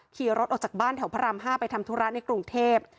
ขี่รถออกจากบ้านแถวพระราม๕ไปทำธุระในกรุงเทพ